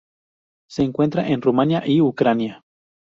Se encuentra en Rumania y Ucrania.